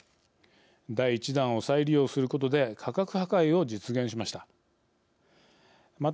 第１段を再利用することで価格破壊を実現しました。